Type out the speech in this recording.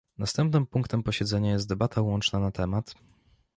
Następnym punktem posiedzenia jest debata łączna na temat